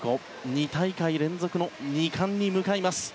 ２大会連続の２冠に向かいます。